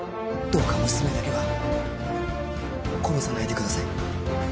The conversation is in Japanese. どうか娘だけは殺さないでください